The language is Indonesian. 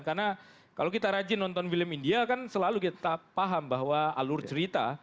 karena kalau kita rajin nonton film india kan selalu kita paham bahwa alur cerita